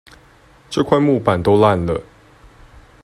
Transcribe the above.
這塊木板都爛了